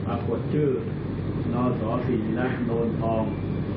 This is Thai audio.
อัพพวทธิ์ชื่อนศศีรณะนทอง